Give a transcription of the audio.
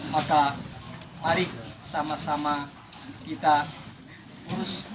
maka mari sama sama kita urus